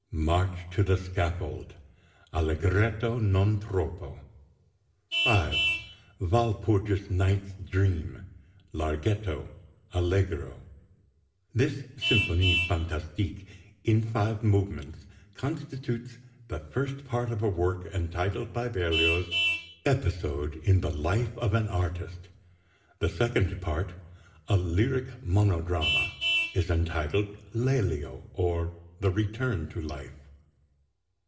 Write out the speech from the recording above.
MARCH TO THE SCAFFOLD (Allegretto non troppo) 5. WALPURGIS NIGHT'S DREAM (Larghetto) (Allegro) This Symphonie fantastique, in five movements, constitutes the first part of a work entitled by Berlioz "Episode in the Life of an Artist." The second part, a "lyric monodrama," is entitled "Lélio; or, The Return to Life."